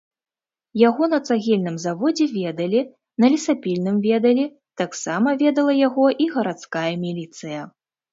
Яго на цагельным заводзе ведалі, на лесапільным ведалі, таксама ведала яго і гарадская міліцыя.